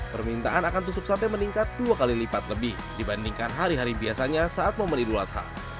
permintaan akan tusuk sate meningkat dua kali lipat lebih dibandingkan hari hari biasanya saat momen idul adha